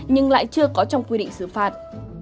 nhưng lại chưa có trong quy định xử phạt